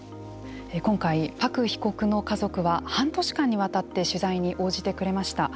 今回、朴被告の家族は半年間にわたって取材に応じてくれました。